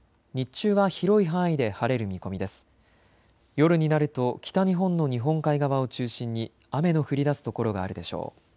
夜になると北日本の日本海側を中心に雨の降りだす所があるでしょう。